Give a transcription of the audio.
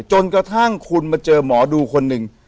จนกระทั่งคุณมาเจอหมอดูคนหนึ่ง